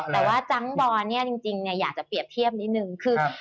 แต่ว่าจังก์บอร์นจริงอยากจะเปรียบเทียบนิดนึง